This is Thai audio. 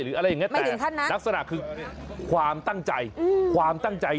หรืออะไรอย่างนี้แต่นักศนาคือความตั้งใจ